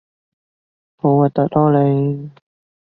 好核突囉你